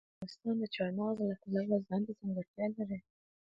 افغانستان د چار مغز د پلوه ځانته ځانګړتیا لري.